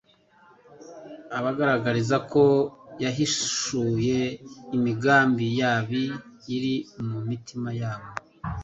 abagaragariza ko yahishuye imigambi yabi iri mu mitima yabo.